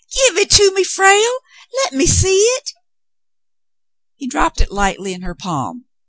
Give it to me, Frale. Let me see it." He dropped it lightly in her palm.